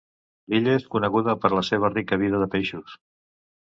L'illa és coneguda per la seva rica vida de peixos.